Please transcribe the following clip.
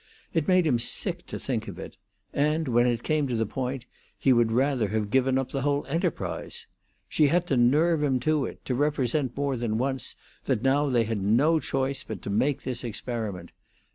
It made him sick to think of it; and, when it came to the point, he would rather have given up the whole enterprise. She had to nerve him to it, to represent more than once that now they had no choice but to make this experiment.